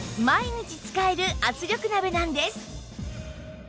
毎日使える圧力鍋なんです